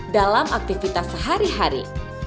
dalam aktivitas sehari hari